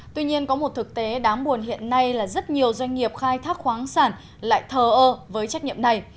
tuy nhiên có một thực tế đáng buồn hiện nay là rất nhiều doanh nghiệp khai thác khoáng sản lại thờ ơ với trách nhiệm này